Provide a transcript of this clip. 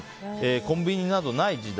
コンビニなどない時代。